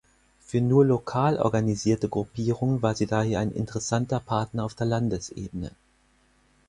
Für nur lokal organisierte Gruppierungen war sie daher ein interessanter Partner auf der Landesebene.